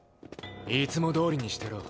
いつもどおりにしてろ。